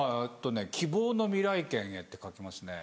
「希望の未来圏へ」って書きますね。